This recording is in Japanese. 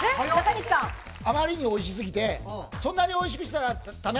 あまりに美味しすぎて、そんなに美味しくしたら、ダメ！